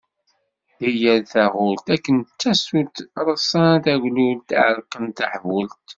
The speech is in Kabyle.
Di yal taɣult, akken d tasult, ṛeṣṣan taglult, ɛerken taḥbult.